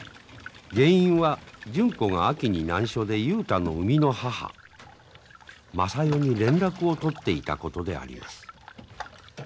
原因は純子があきにないしょで雄太の生みの母昌代に連絡を取っていたことであります。